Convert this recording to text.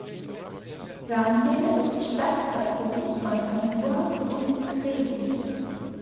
Daniel ist Stadtpatron von Padua und Treviso.